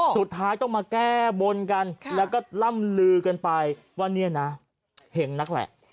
สุดท้ายต้องมาแก้บนกันแล้วก็ล่ำลือกันไปว่าเนี่ยนะเห็งนักแหละ